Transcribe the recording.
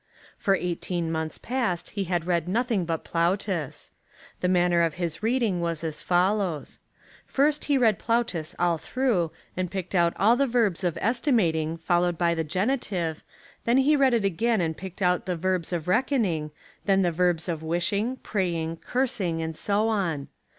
For eighteen months past he had read nothing but Plautus. The manner of his reading was as follows : first he read Plautus all through and picked out all the verbs of estimating followed by the genitive, then he read it again and picked out the verbs of reckoning, then the verbs of wishing, praying, cursing, and so on.